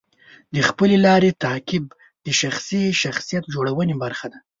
د خپلې لارې تعقیب د شخصي شخصیت جوړونې برخه ده.